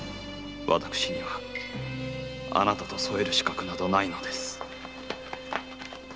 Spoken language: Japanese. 私にはあなたと添える資格などないのです